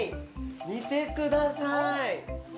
見てください。